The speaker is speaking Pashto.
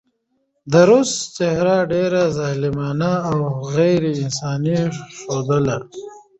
د روس څهره ډېره ظالمانه او غېر انساني ښودله.